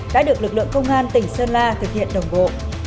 đã được lực lượng công an tỉnh sơn la thực hiện đồng bộ